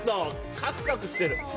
カクカクしてる！